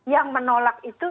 yang menolak itu